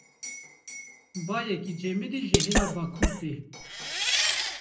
Bayekî cemidî ji hêla bakur tê.